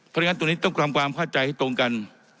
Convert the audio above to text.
เพราะฉะนั้นตรงนี้ต้องทำความเข้าใจให้ตรงกัน